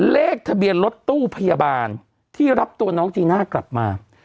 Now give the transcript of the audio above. เลขทะเบียนรถตู้พยาบาลที่รับตัวน้องจีน่ากลับมา